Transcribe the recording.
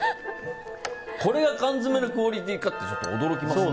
これが缶詰のクオリティーかって驚きました。